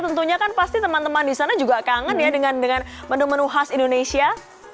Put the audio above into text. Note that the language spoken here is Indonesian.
tentunya kan pasti teman teman di sana juga kangen ya dengan menu menu khas indonesia